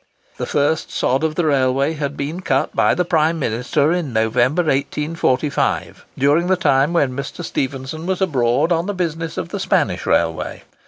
The first sod of the railway had been cut by the Prime Minister, in November, 1845, during the time when Mr. Stephenson was abroad on the business of the Spanish railway.